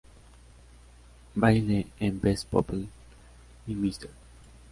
Bayle en "Best People" y Mrs.